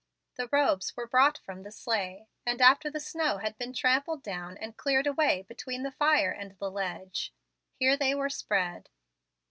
The robes were brought from the sleigh, and after the snow had been trampled down and cleared away between the fire and the ledge, here they were spread.